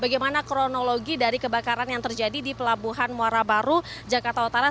bagaimana kronologi dari kebakaran yang terjadi di pelabuhan muara baru jakarta utara